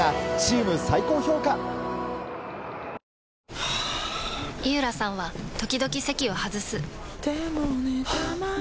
はぁ井浦さんは時々席を外すはぁ。